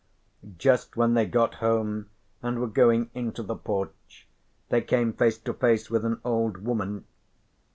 Just when they got home and were going into the porch they came face to face with an old woman.